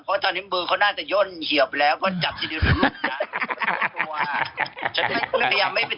เพราะว่าตอนนี้มือเขาน่าจะย่นเหยียบแล้วก็จับทีเดียวกับลูกจ้างก็ไม่รู้ตัว